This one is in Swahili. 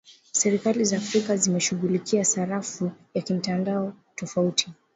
Serikali za Afrika zimeshughulikia sarafu ya kimtandao tofauti